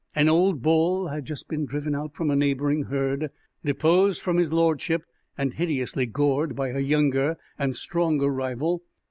An old bull had just been driven out from a neighboring herd, deposed from his lordship and hideously gored by a younger and stronger rival.